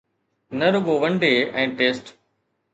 نه رڳو one day ۽ test